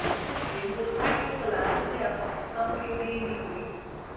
د اور نښې په لرغوني افغانستان کې ډیرې دي